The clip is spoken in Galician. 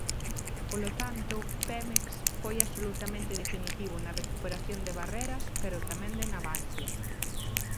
Polo tanto, Pemex foi absolutamente definitivo na recuperación de Barreras pero tamén de Navantia.